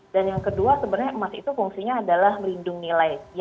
dan yang kedua sebenarnya emas itu fungsinya adalah merindung nilai